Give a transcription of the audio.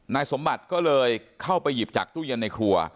นายสมบัติก็เลยเข้าไปหยิบจากตู้เย็นในครัว